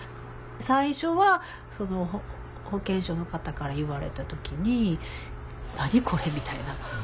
最初は保健所の方から言われた時に何これ？みたいな。